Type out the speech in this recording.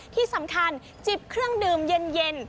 ที่สำคัญจิบเครื่องดื่มเย็น